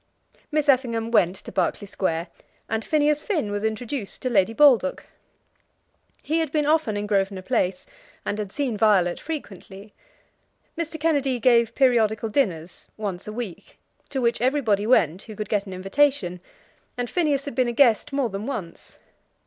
Miss Effingham went to Berkeley Square, and Phineas Finn was introduced to Lady Baldock. He had been often in Grosvenor Place, and had seen Violet frequently. Mr. Kennedy gave periodical dinners, once a week, to which everybody went who could get an invitation; and Phineas had been a guest more than once.